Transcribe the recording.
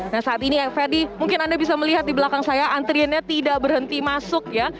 nah saat ini ferdi mungkin anda bisa melihat di belakang saya antriannya tidak berhenti masuk ya